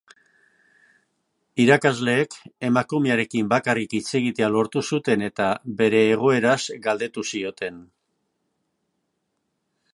Irakasleek emakumearekin bakarrik hitz egitea lortu zuten eta, bere egoeraz galdetu zioten.